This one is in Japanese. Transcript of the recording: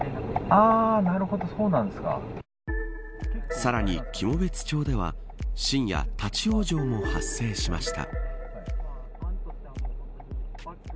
さらに喜茂別町では深夜、立ち往生も発生しました。